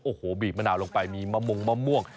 โอ้โหบีบมะนาวลงไปมีมะมงมะม่วง